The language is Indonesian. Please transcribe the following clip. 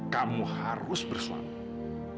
kamu harus bersuami